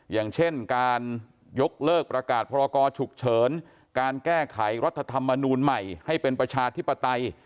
อย่างเช่นการยกเลิกประกาศพรกรฉุกเฉินการแก้ไขรัฐธรรมนูลใหม่ให้เป็นประชาธิปไตย